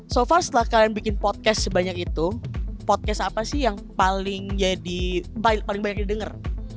so far setelah kalian bikin podcast sebanyak itu podcast apa sih yang paling banyak didengar